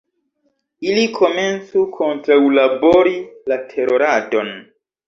Ili komencu kontraŭlabori la teroradon.